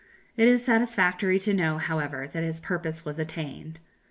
It is satisfactory to know, however, that its purpose was attained.